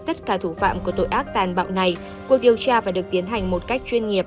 tất cả thủ phạm của tội ác tàn bạo này cuộc điều tra phải được tiến hành một cách chuyên nghiệp